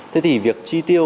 thế thì việc chi tiêu